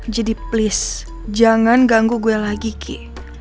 jadi please jangan ganggu gue lagi ki